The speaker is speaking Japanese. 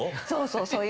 そうそう。